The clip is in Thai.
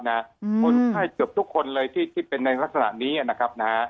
คนไข้เกือบทุกคนเลยที่เป็นในลักษณะนี้นะครับ